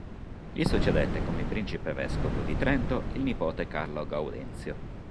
Gli succedette come principe vescovo di Trento il nipote Carlo Gaudenzio.